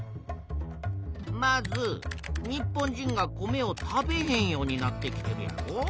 まず日本人が米を食べへんようになってきてるやろ。